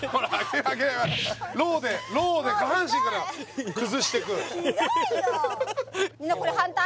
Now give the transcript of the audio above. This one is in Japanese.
ローで下半身から崩してくひどいよ！